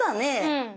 うん。